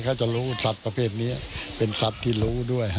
เขาจะรู้สัตว์ประเภทนี้เป็นสัตว์ที่รู้ด้วย